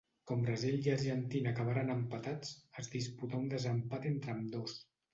Com Brasil i Argentina acabaren empatats, es disputà un desempat entre ambdós.